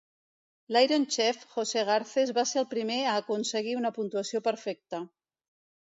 L'"Iron Chef" Jose Garces va ser el primer a aconseguir una puntuació perfecta.